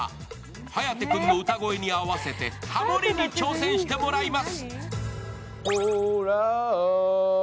颯君の歌声に合わせてハモリに挑戦してもらいます。